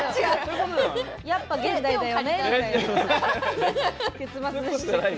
やっぱ現代だよ！